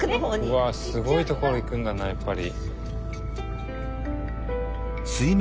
うわすごい所行くんだなやっぱり。